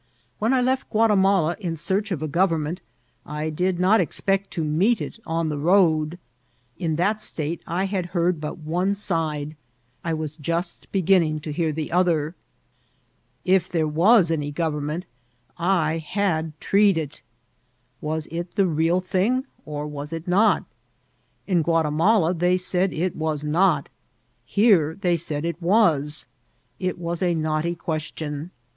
When I left Gua timala in search of a government, I did not expect to meet it on the road. In that state I had heard but one side ; I was just beginning to hear the other. If there was any government, I had treed it. Was it the real thing or was it not ? In Guatimala they said it was not ; here they said it was. It was a knotty question.